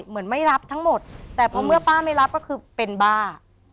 เหมือนไม่รับทั้งหมดแต่พอเมื่อป้าไม่รับก็คือเป็นบ้า